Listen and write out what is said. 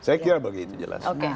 saya kira begitu jelas